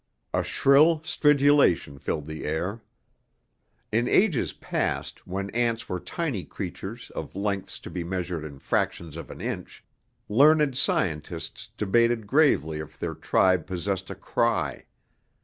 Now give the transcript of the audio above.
A shrill stridulation filled the air. In ages past, when ants were tiny creatures of lengths to be measured in fractions of an inch, learned scientists debated gravely if their tribe possessed a cry.